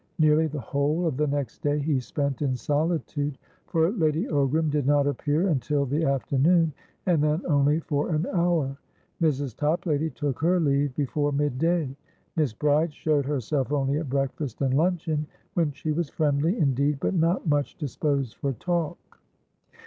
Nearly the whole of the next day he spent in solitude; for Lady Ogram did not appear until the afternoon, and then only for an hour. Mrs. Toplady took her leave before mid day. Miss Bride showed herself only at breakfast and luncheon, when she was friendly, indeed, but not much disposed for talk.